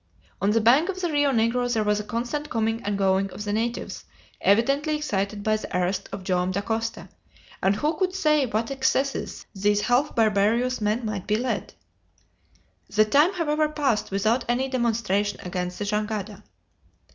On the bank of the Rio Negro there was a constant coming and going of the natives, evidently excited by the arrest of Joam Dacosta, and who could say to what excesses these half barbarous men might be led? The time, however, passed without any demonstration against the jangada.